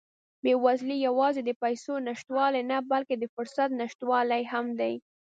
بېوزلي یوازې د پیسو نشتوالی نه، بلکې د فرصت نشتوالی هم دی.